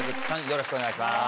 よろしくお願いします